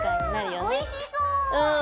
うんおいしそう！